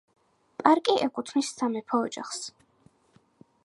პარკი ეკუთვნის სამეფო ოჯახს.